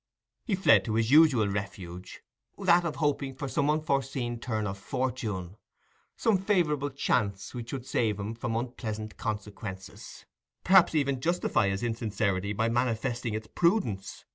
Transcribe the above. He fled to his usual refuge, that of hoping for some unforeseen turn of fortune, some favourable chance which would save him from unpleasant consequences—perhaps even justify his insincerity by manifesting its prudence.